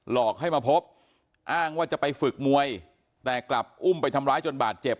อกให้มาพบอ้างว่าจะไปฝึกมวยแต่กลับอุ้มไปทำร้ายจนบาดเจ็บ